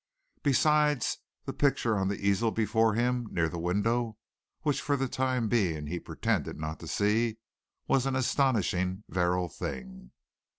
Besides the picture on the easel before him, near the window, which for the time being he pretended not to see, was an astonishingly virile thing.